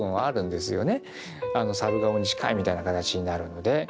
猿顔に近いみたいな形になるので。